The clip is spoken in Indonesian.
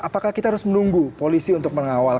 apakah kita harus menunggu polisi untuk mengawal